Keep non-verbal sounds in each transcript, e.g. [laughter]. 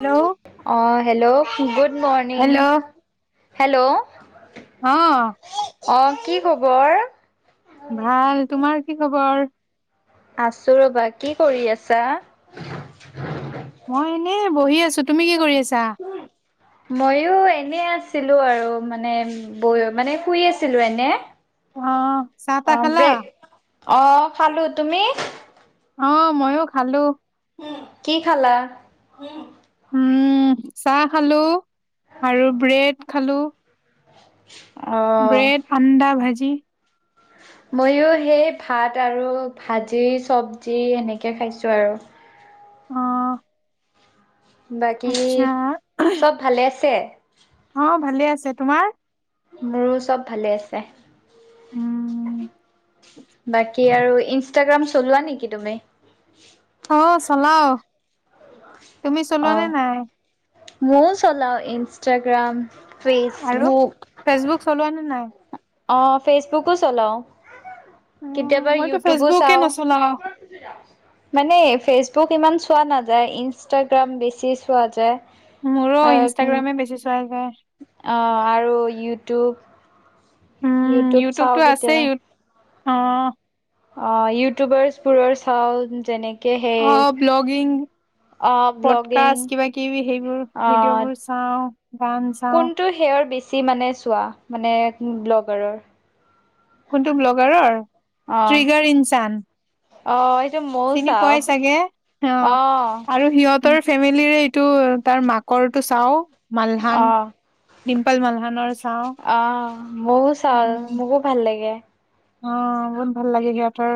Hello. অ hello good morning hello hello. অ'। অ' কি খবৰ? ভাল, তোমাৰ কি খবৰ? আছোঁ ৰৱা কি কৰি আছা? মই এনেই বহি আছোঁ, তুমি কি কৰি আছা? মইয়ো এনে আছিলো আৰু মানে ব মানে শুই আছি ছিলো এনে। অ' চাহ তাহ অ', খালা? ব্ৰেক অ' খালোঁ, তুমি? অ' মইয়ো খালোঁ। কি খালা? উম চাহ খালোঁ আৰু ব্ৰেড খালোঁ। অ'। ব্ৰেড আণ্ডা ভাজি। মইও সেই ভাত আৰু ভাজি চবজি এনেকৈ খাইছোঁ আৰু। অ'। বাকী আচ্ছা চব ভালে আছে? অ' ভালে আছে, তোমাৰ? মোৰো চব ভালে আছে, বাক উম বাকী আৰু ইনষ্টাগ্ৰাম চলোৱা নেকি তুমি? অ চলাও তুমি চলোৱা নে নাই। মই চলাও ইনষ্টাগ্ৰাম, আৰু ফেচবুক। ফেচবুক চলোৱা নে নাই। অঁ ফেচবুকো চলাওঁ উম কেতিয়াবা মইতো ইউটিউবো ফেচবুকে চাওঁ। নচলাও হেততেইকা। মানে ফেচবুক ইমান চোৱা নাযায় ইনষ্টাগ্ৰাম বেছি চোৱা যায়। মোৰো ইনষ্টাগ্ৰামে বেছি চোৱা যায়। অ আৰু ইউটিউব। উম ইউটিউব চাওঁ ইউটিউবটো আছেই কেতিয়াবা ইউ অ। অ ইউটিউবাৰ্চ বোৰৰ চাও যেনেক। অ ব্লগিং। অ ব্লগিং পডকাষ্ট কিবা কিবি সেইবোৰ অ ভিডিঅ'বোৰ চাওঁ গান চাওঁ। সেয়াৰ বেছি মানে চোৱা মানে ব্লগাৰৰ। কোনটো ব্লগাৰৰ অ ট্ৰিগাৰ ইনচান। অ এইটোমো। চিনি পোৱাই চাগে অ আৰু সিহঁত। তৰ ফেমিলিৰে এইটো তাৰ মাকৰটো চাও অ মালহান। অ ডিম্পল মালহানৰ চাওঁ। অ মইয়ো চাওঁ উম, মোকো ভাল লাগে। অ বহুত ভাল লাগে সিহঁতৰ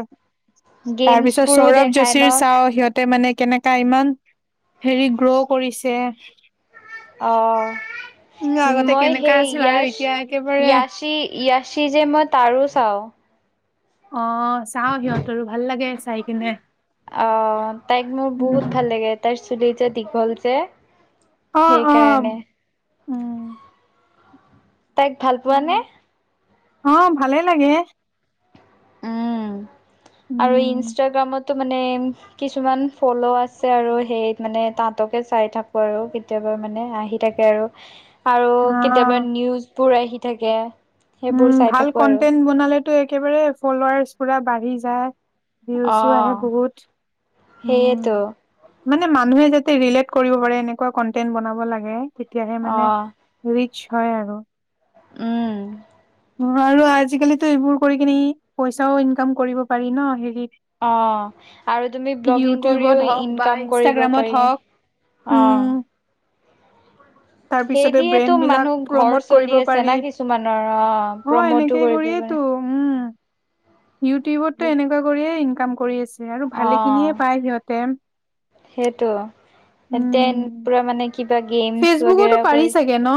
তাৰ গেমছ পিছত বোৰো সৌৰভ দেখাই ন যোশীৰ চাও সিহঁত। তে মানে কেনেকা ইমান হেৰি গ্ৰ' কৰিছে। অ উম, আগতে মই কেনেকা সেই আছিল আৰু ইয়াশ এতিয়া একেবাৰে ইয়াশী। ইয়চি যে মই তাৰো চাওঁ। অ চাও সিহঁতৰো ভাল লাগে চাই কিনে। অহ তাইক মোৰ উম বহুত ভাল লাগে তাইৰ চুলি যে দীঘল যে। অঅঅঅ সেইকাৰণে উম। তাইক ভাল পোৱা উম, নে? অ ভালে লাগে। উম আৰু উম ইনষ্টাগ্ৰামতো মানে কিছুমান। ফলো আছে আৰু সেই মানে তাত। পতকে চাই থাকো আৰু কেতিয়াবা মানে আহি থাকে আৰু আৰু অ কেতিয়াবা নিউজ। বোৰ আহি থাকে। সেইবোৰ উম চাই ভাল থাকোঁ আৰু কন্টেন্ট বনালেতো একেবাৰে ফলোৱাৰাৰ্চ পুৰা বাঢ়ি যায়। ভিউচচো আহে অ' বহুত উম। সেইয়েতো মানে মানুহে যাতে ৰিলেট কৰিব পাৰে এনেকুৱা কন্টেন্ট বনাব লাগে তেতিয়াহে মানে। অ' ৰিচ হয় আৰু উম। আৰু আজিকালিতো এইবোৰ কৰি কিনি পইচাও ইনকাম কৰিব পাৰি ন হেৰিত। অহ আৰু তুমি ব্লগিং ইউটিউবত কৰিও হওক বা ইনকাম কৰিব ইনষ্টাগ্ৰামত পাৰি। হওক অঁ। উম, তাৰপিছতে সেইদিয়েতো ব্ৰেণ্ড বিলাক মানুহ ঘৰ প্ৰমট কৰিব চলি আছে না পাৰি। কিছুমানৰ অ অ', প্ৰমোটো এনেকে কৰিব পাৰে। কৰিয়েতো উম, ইউটিউবতো এনেকুৱা কৰিয়ে ইনকাম কৰি আছে আৰু ভালেখিনিয়ে অ' পায় সিহঁতে। সেইটো এ উম, পুৰা মানে কিবা গেমচ বাগেৰা কৰি। থাকে ন।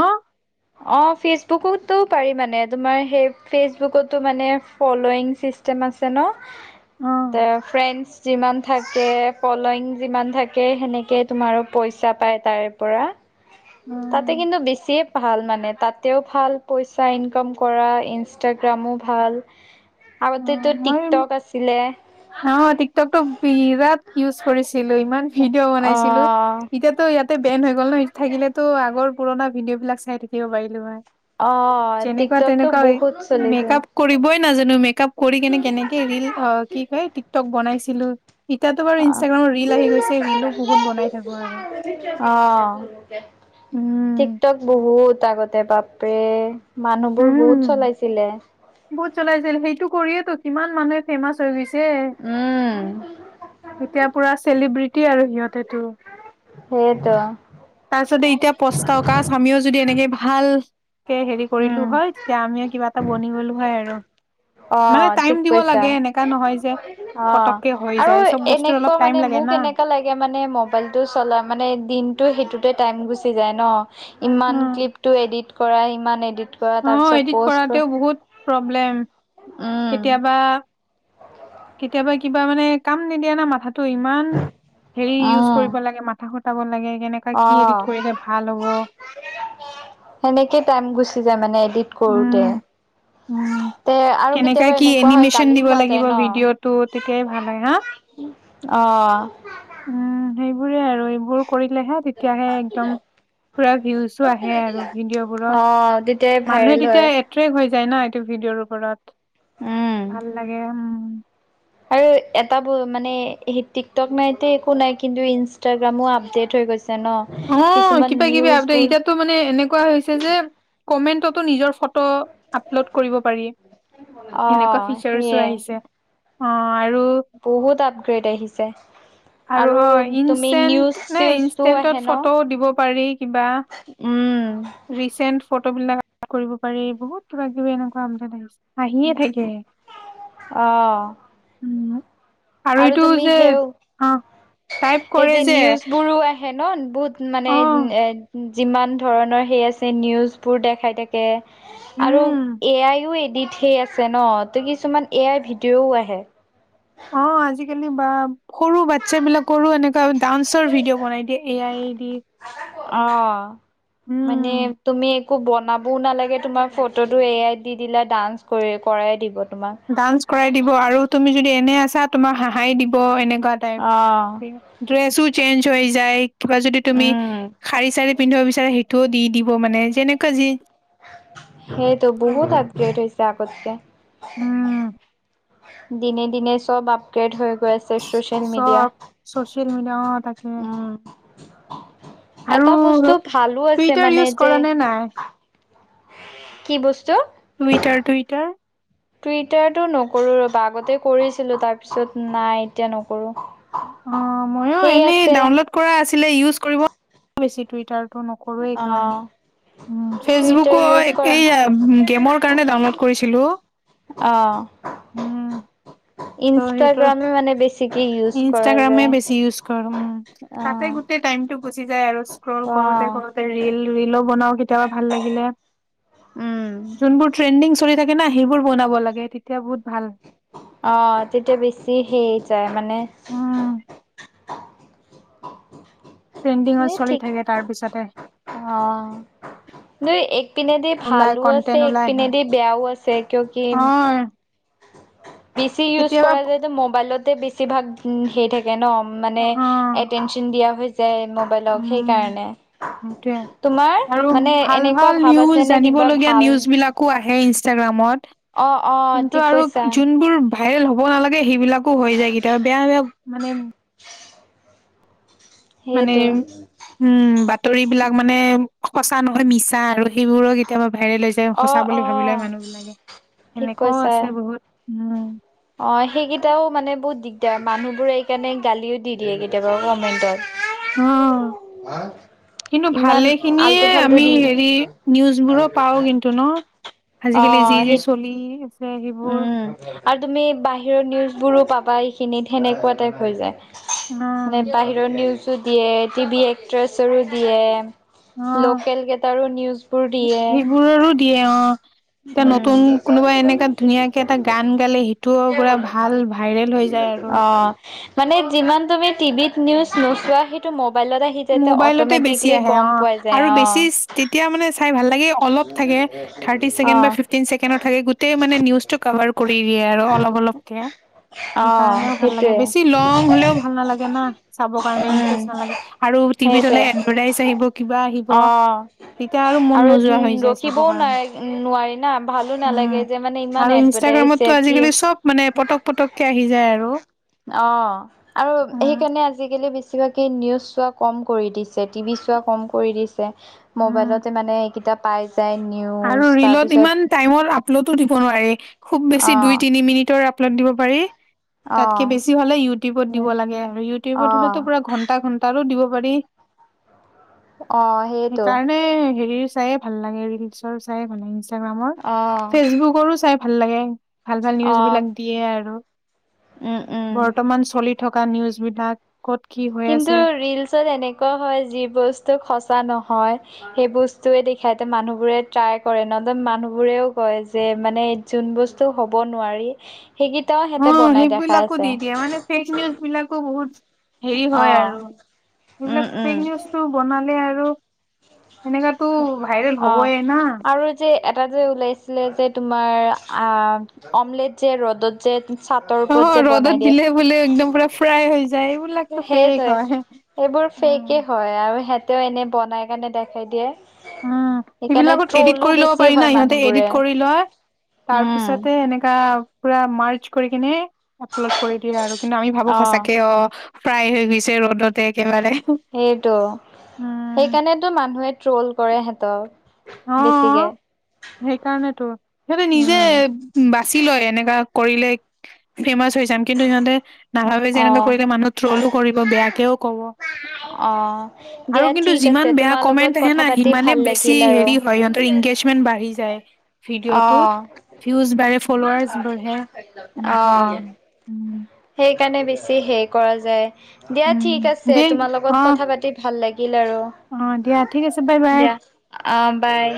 অ ফেচবুকোতো পাৰি মানে তোমাৰ সেই ফেচবুকতো মানে ফলোইং কৰি। [unintelligible] আছে ন, তে অ', ফ্ৰেন্স যিমান থাকে, ফলয়িং যিমান থাকে, সেনেকেই তোমাৰো পইচা পায় তাৰে পৰা। তাতে অ', কিন্তু বেছিয়ে ভাল মানে, তাতেঁও ভাল পইচা ইনকাম কৰা ইনষ্টাগ্ৰামো ভাল। আগতেতো অ', মই টিকটক আছিলে। অ', টিকটক টো বিৰাট ভিউজ কৰিছিলো, ইমান ভিডিঅ' অ বনাইছিলো। এতিয়াতো ইয়াতে বেন হৈ গ'ল নহয়, থাকিলেতো আগৰ পুৰণা ভিডিঅ' বিলাক চাই থাকিব পাৰিলো হয়। অ যেনেকুৱা টিকটকটো তেনেকুৱা, এই বহুত মেকাপ চলিছিল কৰিবই নাজানো, মেক আপ কৰি কেনে কেনেকে ৰিল অ' কি কয় টিকটক বনাইছিলো ইয়াতো অ', বাৰু ইনষ্টাগ্ৰামত ৰিল আহি গৈছে, ৰিলো বহুত বনাই থাকো আৰু। অ', উম টিকটক বহুত আগতে বাপৰে, মানুহবোৰ বহুত উম চলাইছিলে। বহুত চলাইছিল, সেইটো কৰিয়েতো কিমান মানুহে ফেমাচ হৈ গৈছে। উম, এতিয়া পুৰা চেলিব্ৰিটি আৰু সিহঁতেটো। সেয়েটো। তাৰপিছতে এতিয়া পস্তাওঁ, কাচ আমিও যদি এনেকে ভাল কে হেৰি উম। কৰিলো হয়, তেতিয়া আমিও কিবা এটা বনি গ'লো হয় আৰু। মানে অ', টাইম ঠিক দিব কৈছা, লাগে এনেকা নহয় যে আহ, পতককে হৈ আৰু যায় চব বস্তুৰ এনেকুৱা অলপ টাইম মানে লাগে মোক না এনে লাগে মানে মোক দিনটো চলাই মানে, দিনটো সেইটোতে টাইম গুছি যায় ন, ইমান উম ক্লিপটো এদিট কৰা ইমান এডিট কৰা অ', তাৰপিছত এডিট প'ষ্ট কৰাতোঁ বহুত প্ৰব্লেম, উম, কেতিয়াবা কেতিয়াবা কিবা মানে কাম নিদিয়া না মাথাটো ইমান, হেৰি ইউজ উম, কৰিব লাগে মাথা খটাব লাগে, কেনেকা কি অ'। এডিট কৰিলে ভাল হ'ব। সেনেকে টাইম গুচি যায় মানে এদিট কৰোতে। উম উম তে' আৰু কেনেকা কেতিয়াবা কি এনেকুৱা হ'য় এনিমেচন গালি দিব খোৱা লাগিব যায় ন। ভিডিঅ'টো তেতিয়াই ভাল হয় হা অ'। উম, সেইবোৰে আৰু এইবোৰ কৰিলেহে তেতিয়াহে একদম, পুৰা ভিউজো আহে আৰু ভিডিঅ' বোৰত। অ' তেতিয়া মানুহে তেতিয়া এট্ৰেক্ট হৈ যায় ন এইটো ভিডিঅ'ৰ ওপৰত, উম ভাল লাগে উম। আৰু এটা ব' মানে সেই টিকটক নাই তে একো নাই, কিন্তু ইনষ্টাগ্ৰামো আপডেট হৈ গৈছে ন। অ' কিছুমান কিবা কিবি আপডেত নিউজবোৰ এতিয়াতো মানে এনেকুৱা হৈছে যে, কমেন্টতো নিজৰ ফ ত' আপলোড কৰিব পাৰি, সেনেকোৱা অ' ফিউচাৰও সেয়ে আহিছে। অ', আৰু বহুত আপগ্ৰেড আহিছে, আৰু অ', তুমি ইনষ্টেণ্ট নিউজ নে চউজো ইনষ্টেণ্টত আহে ন ফটো দিব পাৰি কিবা। উম ৰিচেণ্ট ফটো বিলাক [unintelligible] কৰিব পাৰি, বহুত কিবা কিবি এনেকুৱা আপডেট আহিছে। আহিয়ে থাকে, অ' উম। আৰু এইটো তুমি যে সেওঁ, অ', টাইপ সেই কৰে যে নিউজ বোৰো আহে ন বহুত মানে অ', যিমান ধৰণৰ সেই আছে নিউজবোৰ দেখাই থাকে হে, আৰু, উম, এ আইও এডিট সেই আ আছে ন ত' কিছুমান এ আই ভিডিঅ'ও আহে। অ', আজিকালি বা সৰু বাচ্ছা বিলাকৰো এনে ডান্সৰ ভিডিঅ' বনাই দিয়ে এ আই দি। অ উম, মানে তুমি একো বনাবও নালাগে তোমাৰ ফটোটো এয়াই দি দিলা ডান্স কৰি কৰাই দিব। তোমাক ডান্স কৰাই দিব আৰু তুমি যদি এনে আছা তোমাক হাঁহাই দিব এনেকুৱা অ টাইপ। ড্ৰেছো চেঞ্জ হৈ যায় কিবা যদি তুমি উম শাৰী চাৰী পিন্ধিব বিচাৰা সেই টো দি দিব মানে যেনেকুৱা যি সেইটো বহুত আপগ্ৰেট হৈছে আগতকে। উম। দিনে দিনে চব আপগ্ৰেড হৈ গৈ আছ ছে ছচিয়েল মিডিয়া চব চচিয়েল মিডিয়া অ' তাকে উম। আৰু এটা বস্তু ভালো আছে টুইটাৰ মানে ইউজ যে কৰা নে নাই? কি বস্তু? Twitter Twitter. টুইটাৰটো নকৰোঁ ৰ'বা আগতে কৰিছিলো তাৰপিছত নাই এতিয়া নকৰোঁ। অ ময়ো সেই এনেই আছে ডাউনলোড কৰা আছিলে ইউজ কৰিব বেছি টুইটাৰ। টো নকৰো এই কাৰণ। অ' উম ফেচবুকো টুইটাৰ ইউজ কৰা এইয়া গেমৰ কাৰণে ডাউনলোড কৰিছিলো। অ ত' সেইটো ইনষ্টাগ্ৰামে মানে বেছ ইনষ্টাগ্ৰামে বেছি ইউজ কৰো উম তাতে অ' গোটেই টাইম টো গুচি যায় আৰু স্ক্ৰল কৰোতে অ' কৰোতে ৰিল ৰিলো বনাও কেতিয়াবা ভাল লাগিলে। উম। যোনবোৰ ট্ৰেণ্ডিং চলি থাকে না সেইবোৰ বনাব লাগে তেতিয়া বহুত ভাল। অ তেতিয়া বেছি সেই যায় মানে উম। ট্ৰেণ্ডিঙত এই চলি ঠিক থাকে তাৰ পিছতে। অ দুই এক ইপিনেদি ওলাই ভালো আছে কন্টেন্ট এক ওলাই আহিম ইপিনেদি বেয়াও আছে কিয় কি। অ বেছি ইউজ কেতিয়াবা কৰা যায় ত' মোবাইলতে বেছিভাগ হেই থাকে ন অ মানে এটেনশ্যন দিয়া হৈ যায় মোবাইলক সেইকাৰণে। সেইটোৱে তোমাৰ আৰু মানে ভাল এনেকুৱা ভাল ভাৱ আছে নিউজ নে কিবা জানিবলগীয়া ভাল নিউজ বিলাক কো আহে ইনষ্টাগ্ৰামত অ অ কিন্তু ঠিক আৰু কৈছা যোনবোৰ ভাইৰেল হ'ব নালাগে সেইবিলাকো হৈ যায় কেতিয়াবা বেয়া বেয়া মানে। মানে সেইটো উম, বাতৰি বিলাক মানে সঁচা নহয় মিছা আৰু সেইবোৰো কেতিয়াবা ভাইৰেল হৈছ ছে, অ সঁচা অ বুলি ভাবি লয় মানুহ বিলাকে ঠিক সেনেকুৱাও কৈছা আছে বহুত উম অ' সেইকেইটাও মানে বহুত দিগদাৰ মানুহবোৰে এইকাৰণে গালিও দি দিয়ে কেতিয়াবা কমেন্টত। অ'। হা'। কিন্তু ভালে খিনিয়ে আমি হেৰি নিউজ বোৰো পাওঁ কিন্ টো ন, অ আজিকালি যি যি সেই চলি আছে সেইবোৰ। উম আৰু তুমি বাহিৰৰ নিউজবোৰো পাবা এইখিনিত সেনেকুৱা টাইপ হৈ অ যায়। মানে বাহিৰৰ নিউজো দিয়ে টিভি এক্ট্ৰেচৰো অ দিয়ে লোকেল কেইটাৰো নিউজ বোৰ দিয়ে সেইবোৰৰো দিয়ে অ এতিয়া উম। নতুন কোনোবা এনেকা ধুনীয়াকে এটা গান গালে সিটো পুৰা ভাল ভাইৰেল হৈ যায়। আৰু অ' মানে যিমান তুমি টিভিত নিউজ নোচোৱা সেইটো মোবাইলত আহি আহি যায় তেতিয়া মোবাইলতে বেছি অট'মেটিকলি আহে গ'ম অ পোৱা আৰু যায় অ' বেছি চ- তেতিয়া মানে চাই ভাল লাগে, অলপ থাকে। থাৰ্টি ছেকেণ্ড বা অ', ফিফটিন ছেকেণ্ড থাকে, গোটেই মানে নিউজটো কাভাৰ কৰি দিয়ে আৰু অলপ অলপকে। অ', সেইকাৰণেও ভাল লাগে, সেইটোৱে বেছি লং হ'লেও ভাল নালাগে না, চাব কাৰণে উম, ইণ্টেৰেষ্ট নালাগে। আৰু টিভিত হ'লে সেইটো এডভা--টাইচ আহিব কিবা আহিব। অ', তিতা আৰু মন নোযোৱা হৈ যায় চাব ৰখিবও কাৰণে, নাই নোৱাৰি না ভালো উম, নালাগে যে মানে ইমান আৰু এডভাৰটাইজ ইনষ্টাগ্ৰামত টো কি আজিকালি চব মানে পটক পটকে আহি যায় আৰু। অ'। আৰু উম সেইকাৰণে আজিকালি বেছিভাগে নিউজ চোৱা কম কৰি দিছে, টিভি চোৱা কম কৰি দিছ উম ম'বাইলতে মানে এইকেইতা পাই যায়, নিউ আৰু ৰিলত ইমান টাইমত আপ আপলোটো দিব নোৱাৰি, খুব বেছি দুই অ', তিনি মিনিটৰ আপলোড দিব পাৰি। তাতকে অ', বেছি ভাল ইউটিউবত দিব লাগে। ইউটিউবত অ', হ'লেতো পুৰা ঘণ্টা ঘ তাৰো দিব পাৰি। অ', সেইটো। সেইকাৰণে হেৰি চাইয়ে ভাল লাগে ৰিলচৰ চাই ভাল লাগে, ইনষ্টাগ্ৰামৰ। অ', ফেচবুকৰো চাই ভাল লাগে। ভাল ভাল নিউজ বিলাক অ', দিয়ে আৰু। উম, উম। বৰ্তমান চলি থকা নিউজ বিলাক। ক'ত কি হ কিন্তু ৰিলচত এনেকুৱা হয়, যি বস্তু সঁচা নহয়। সেই বস্তুয়েদি খাইতে মানুহবোৰে ট্ৰাই কৰে। নতুন মানুহবোৰেও কয় যে মানে যোন বস্তু হ'ব নোৱাৰি, সেইকেইটাও অ' হেতে বনাই দেখা সেইবিলাকো দি আছে। দিয়ে মানে ফেক নিউজ বিলাকো বহুত হেৰি হয় অ', আৰু, উম, সেইবিলাক ফেক উম, নিউজ টো বনালে আৰু সেনেকাতো ভাইৰেল অ'। হ'বয়ে না। আৰু যে এটা যে উলাইছিলে যে তোমাৰ আ অমলেট যে ৰ'দত যে চাটৰ ওপৰত যে বনাই দিয়ে। ফ্ৰায় হৈ যায়ও। সেটোৱে। এইবোৰ উম ফেকে হয়, আৰু হেতেও এনে বনাই কেনে দেখাই দিয়ে। উম, সেইকাৰণে সেইবিলাকত এডিট ট্ৰলো কৰি ল'ব বেছি পাৰি হয় না, ইহঁতে মানুহবোৰে এডিট কৰি লয়। তাৰ উম, পিছতে এনেকা পুৰা মাৰ্চ কৰি কিনে আপলোড কৰি দিয়ে আৰু। কিন্তু আমি ভাবো সচাকে অ' ফ্ৰায় হৈ গৈছে ৰ'দত। সেট', উম সেইকাৰণেতো মানুহে ট্ৰল কৰে হেতক। অ' সেইকাৰণেতো। সিহঁতে নিজে উম, বাছি লয় এনেকা কৰিলে ফেমাচ হৈ যাম। কিন্তু সিহঁতে নাভাবে যে এনেকুৱা অ', কৰিলে মানুহ ট্ৰলো কৰিব, বেয়াকেও কব। অ'। আৰু দিয়া কিন্তু ঠিক যিমান আছে বেয়া তোমাৰ কমেন্ট লগত আহে কথা না পাতি সিমানে ভাল বেছি লাগিল হে আৰু। ৰি হয়, সিহঁতৰ ইংগেজমেন্ট বাঢ়ি যায়, ভিডিঅ'টোত। অ', ভিউজ বাঢ়ে, ফলোৱাৰছ বাঢ়ে সেনেকুৱা অ', আৰু উম। সেইকাৰণে বেছি হে কৰা যায়, দিয়া ঠিক উম আছে। দেই তোমাৰ অ লগত কথা পাতি ভাল লাগিল অ দিয়া ঠিক আছে বাই আৰু বাই দিয়া। অ, বাই।